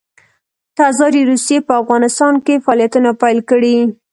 تزاري روسیې په افغانستان کې فعالیتونه پیل کړي.